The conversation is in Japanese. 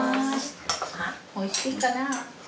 さあおいしいかな？